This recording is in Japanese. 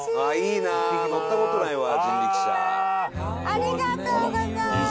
ありがとうございます。